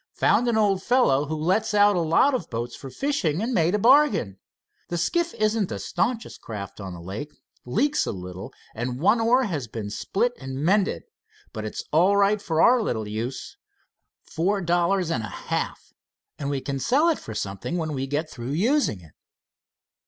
Found an old fellow who lets out a lot of boats for fishing, and made a bargain. The skiff isn't the staunchest craft on the lake. Leaks a little, and one oar has been split and mended, but it's all right for our little use. Four dollars and a half and we can sell it for something when we get through using it."